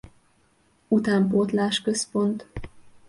Utánpótlás Központ.